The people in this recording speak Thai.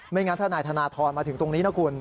งั้นถ้านายธนทรมาถึงตรงนี้นะคุณ